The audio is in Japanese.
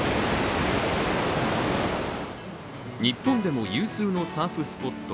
日本でも有数のサーフスポット